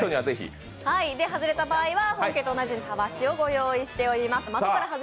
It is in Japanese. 外れた場合は、本家と同様にたわしをご用意しています。